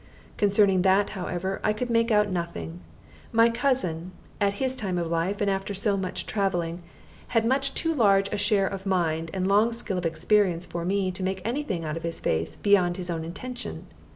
Concerning that, however, I could make out nothing. My cousin, at his time of life, and after so much travelling, had much too large a share of mind and long skill of experience for me to make any thing out of his face beyond his own intention.